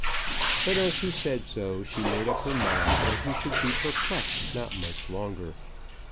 But as she said so she made up her mind that he should be perplexed not much longer.